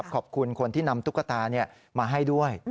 ขอบคุณคนที่นำตุ๊กตามาให้ด้วย